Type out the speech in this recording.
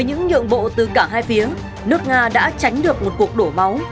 nhưng ở hai phía nước nga đã tránh được một cuộc đổ máu